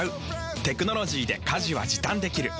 テクノロジーで家事は時短できる。